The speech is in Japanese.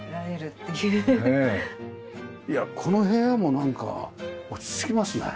いやこの部屋もなんか落ち着きますね。